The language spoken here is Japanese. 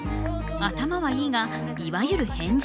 頭はいいがいわゆる変人。